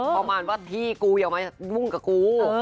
ประมาณว่าที่กูอย่ามายุ่งกับกู